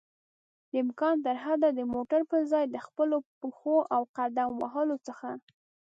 دامکان ترحده د موټر پر ځای له خپلو پښو او قدم وهلو څخه